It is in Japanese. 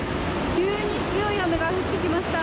急に強い雨が降ってきました。